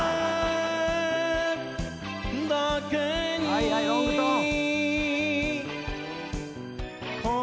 はいはいロングトーン。